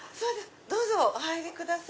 どうぞお入りください。